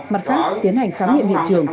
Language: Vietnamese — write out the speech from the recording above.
mặt khác tiến hành khám nghiệm hiện trường